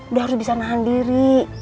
udah harus bisa nahan diri